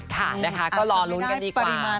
ค่ะนะคะก็รอลุ้นกันดีกว่า